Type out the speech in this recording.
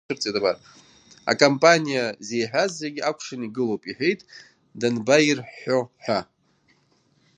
Акампаниа зеиҳәаз зегь акәшан игылоп, — иҳәеит, данбаирҳәҳәо ҳәа.